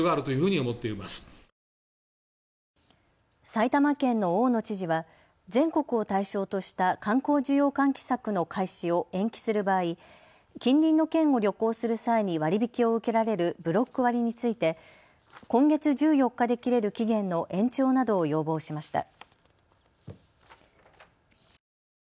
埼玉県の大野知事は全国を対象とした観光需要喚起策の開始を延期する場合、近隣の県を旅行する際に割り引きを受けられるブロック割について今月１４日で切れる期限の延長などを要望しました。